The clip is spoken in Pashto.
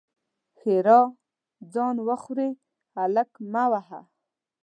ښېرا: ځان وخورې؛ هلک مه وهه!